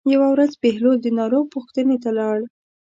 یوه ورځ بهلول د ناروغ پوښتنې ته لاړ.